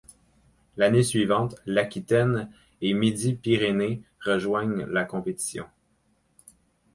L'année suivante, l'Aquitaine et Midi-Pyrénées rejoignent la compétition.